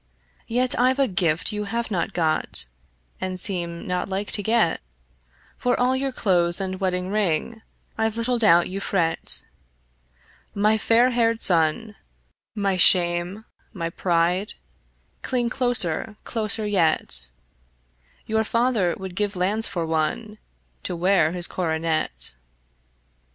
Yet I've a gift you have not got, And seem not like to get: For all your clothes and wedding ring I've little doubt you fret. My fair haired son, my shame, my pride, Cling closer, closer yet: Your father would give his lands for one To wear his coronet.